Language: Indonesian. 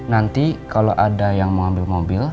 nanti kalau ada yang mau ambil mobil